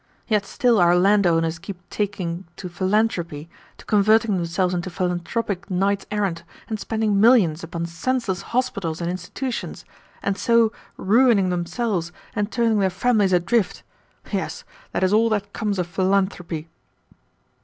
Yet still our landowners keep taking to philanthropy, to converting themselves into philanthropic knights errant, and spending millions upon senseless hospitals and institutions, and so ruining themselves and turning their families adrift. Yes, that is all that comes of philanthropy."